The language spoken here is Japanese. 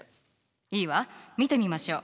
いいわ見てみましょう。